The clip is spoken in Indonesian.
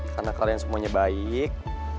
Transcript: karena kalian semuanya baik